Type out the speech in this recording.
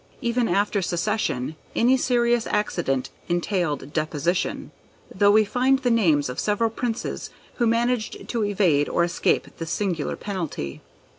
Even after succession, any serious accident entailed deposition, though we find the names of several Princes who managed to evade or escape this singular penalty.